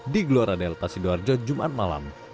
di gelora delta sidoarjo jumat malam